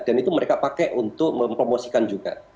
dan itu mereka pakai untuk mempromosikan juga